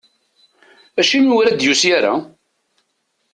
Acimi ur d-yusi ara?